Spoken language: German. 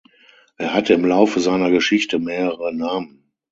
Er hatte im Laufe seiner Geschichte mehrere Namen.